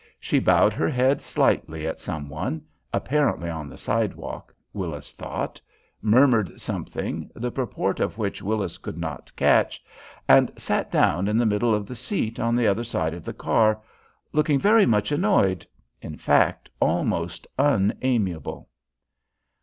She bowed her head slightly at some one, apparently on the sidewalk, Willis thought, murmured something, the purport of which Willis could not catch, and sat down in the middle of the seat on the other side of the car, looking very much annoyed in fact, almost unamiable.